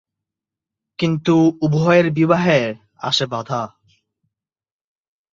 কিন্তু উভয়ের বিবাহে আসে বাধা।